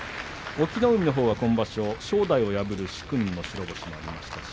隠岐の海のほうは、今場所正代を破る殊勲の白星がありました。